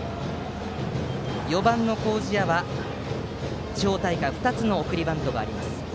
４番の麹家は、地方大会２つの送りバントがあります。